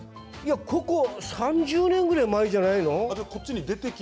ここ３０年くらい前じゃないの？